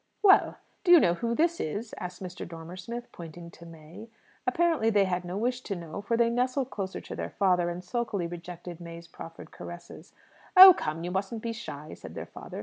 "Well, do you know who this is?" asked Mr. Dormer Smith, pointing to May. Apparently they had no wish to know, for they nestled closer to their father, and sulkily rejected May's proffered caresses. "Oh, come, you mustn't be shy," said their father.